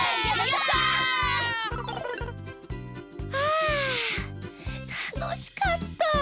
あたのしかった！